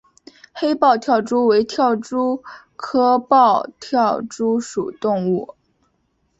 黑豹跳蛛为跳蛛科豹跳蛛属的动物。